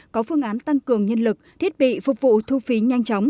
có phương án tăng cường nhân lực thiết bị phục vụ thu phí nhanh chóng